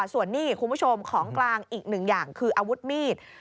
ส่วนนี้คุณผู้ชมของกลางอีกหนึ่งอย่างคืออาวุธมีด